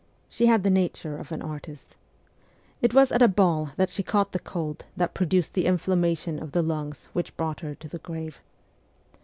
She had the nature of an artist. It was at a ball that she caught the cold that produced the inflammation of the lungs which brought her to the grave.